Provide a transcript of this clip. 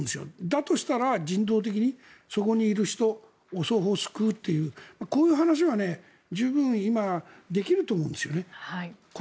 だとしたら、人道的にそこにいる人、双方救うというこういう話は十分今できると思うんですよね。